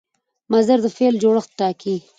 مصدر د فعل جوړښت ټاکي.